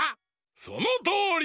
そのとおり！